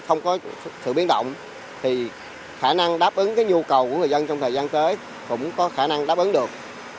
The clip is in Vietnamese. không có sự biến động thì khả năng đáp ứng cái nhu cầu của người dân trong thời gian tới cũng có khả năng đáp ứng được